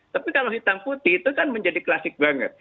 tapi kalau hitam putih itu kan menjadi klasik banget